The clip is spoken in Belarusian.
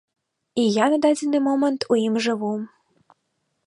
І я на дадзены момант у ім жыву.